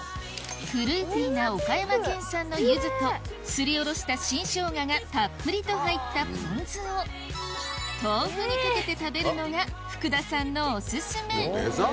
フルーティーな岡山県産のユズとすりおろした新生姜がたっぷりと入ったポン酢を豆腐にかけて食べるのが福田さんのオススメデザートだよ